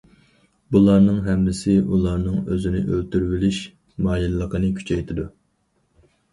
بۇلارنىڭ ھەممىسى ئۇلارنىڭ ئۆزىنى ئۆلتۈرۈۋېلىش مايىللىقىنى كۈچەيتىدۇ.